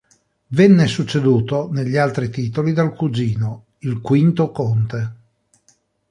Venne succeduto negli altri titoli dal cugino, il V conte.